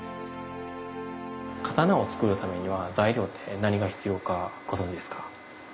刀を作るためには材料って何が必要かご存じですか？